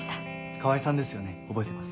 川合さんですよね覚えてます。